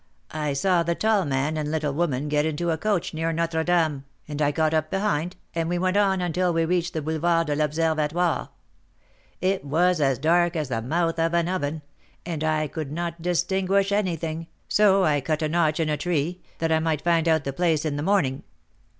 I saw the tall man and little woman get into a coach near Notre Dame, and I got up behind, and we went on until we reached the Boulevard de l'Observatoire. It was as dark as the mouth of an oven, and I could not distinguish anything, so I cut a notch in a tree, that I might find out the place in the morning."